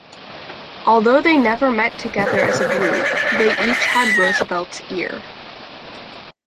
Although they never met together as a group, they each had Roosevelt's ear.